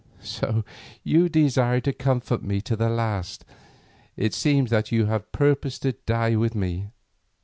So you desire to comfort me to the last; it seems that you even purposed to die with me.